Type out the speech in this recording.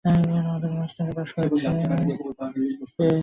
কেন, অধর মাস্টার কী দোষ করেছে?